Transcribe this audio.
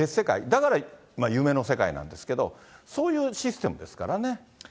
だから夢の世界なんですけど、そういうシステムですからね。